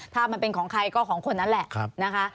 ถ้ามันเป็นของใครก็ของคนนั้นแหละนะคะ